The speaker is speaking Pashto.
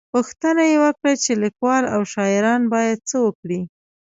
_پوښتنه يې وکړه چې ليکوال او شاعران بايد څه وکړي؟